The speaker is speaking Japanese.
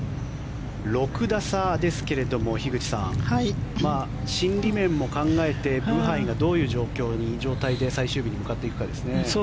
６打差ですが、樋口さん心理面も考えてブハイがどういう状態で最終日に向かっていくかですね。